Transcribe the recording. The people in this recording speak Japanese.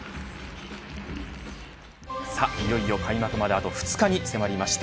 いよいよ開幕まであと２日に迫りました